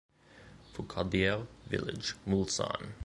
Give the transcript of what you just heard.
Foucaudière Village, Mulsanne